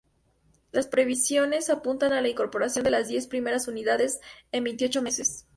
Las previsiones apuntan a la incorporación de las diez primeras unidades en veintiocho meses.